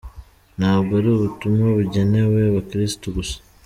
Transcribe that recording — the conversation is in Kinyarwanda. "Ntabwo ari ubutumwa bugenewe abakirisitu gusa.